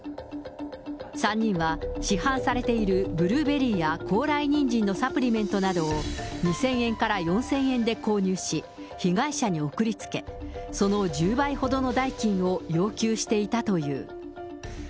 ３人は市販されているブルーベリーや高麗ニンジンのサプリメントなどを２０００円から４０００円で購入し、被害者に送りつけ、その１０倍ほどの代金を要求していたという。